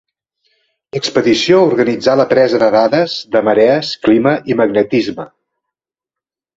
L'expedició organitzà la presa de dades de marees, clima i magnetisme.